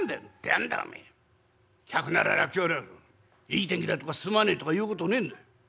『いい天気だ』とか『すまねえ』とか言うことねえんだ。